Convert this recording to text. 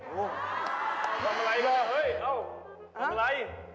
เอาประไหล